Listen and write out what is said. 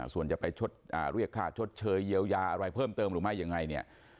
ส่วนถ้าจะไปเรือกค่าชดเชยเยียวยาเพิ่มเติมหรือไม่